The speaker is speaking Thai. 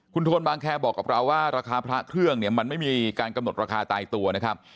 คุณโทนบางแคร์บอกกับเราว่าราคาพระเครื่องเนี่ยมันไม่มีการกำหนดราคาตายตัวนะครับ